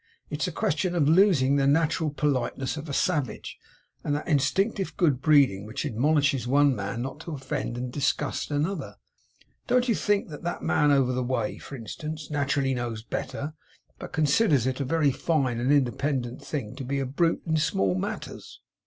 It's a question of losing the natural politeness of a savage, and that instinctive good breeding which admonishes one man not to offend and disgust another. Don't you think that man over the way, for instance, naturally knows better, but considers it a very fine and independent thing to be a brute in small matters?